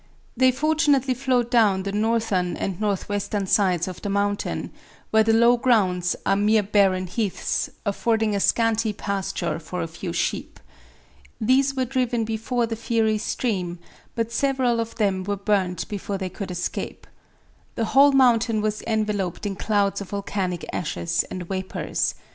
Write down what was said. They fortunately flowed down the northern and northwestern sides of the mountain, where the low grounds are mere barren heaths, affording a scanty pasture for a few sheep. These were driven before the fiery stream, but several of them were burnt before they could escape. The whole mountain was enveloped in clouds of volcanic ashes and vapors.